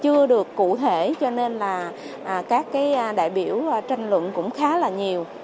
chưa được cụ thể cho nên là các cái đại biểu tranh luận cũng khá là nhiều